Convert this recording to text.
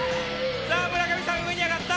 村上さん、上に上がった。